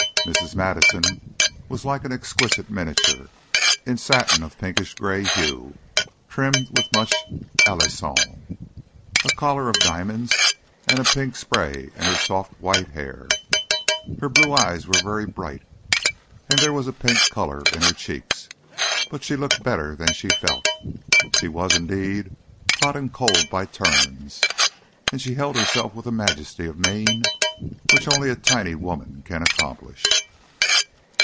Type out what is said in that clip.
Mrs. Madison was like an exquisite miniature, in satin of a pinkish gray hue, trimmed with much Alencon, a collar of diamonds, and a pink spray in her soft white hair. Her blue eyes were very bright, and there was a pink colour in her cheeks, but she looked better than she felt. She was, indeed, hot and cold by turns, and she held herself with a majesty of mien which only a tiny woman can accomplish.